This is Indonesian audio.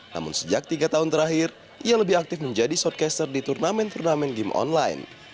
namun sejak tiga tahun terakhir ia lebih aktif menjadi shortcaster di turnamen turnamen game online